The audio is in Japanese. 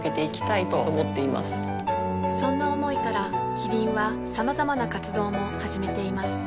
そんな思いからキリンはさまざまな活動も始めています